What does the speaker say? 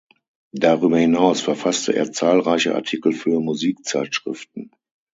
Darüber hinaus verfasste er zahlreiche Artikel für Musikzeitschriften.